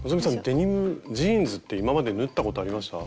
デニムジーンズって今まで縫ったことありました？